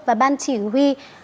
và ban chỉ huy